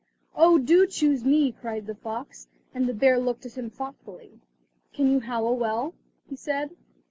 "Oh, do choose me," cried the fox, and the bear looked at him thoughtfully. "Can you howl well?" he said.